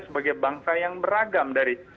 sebagai bangsa yang beragam dari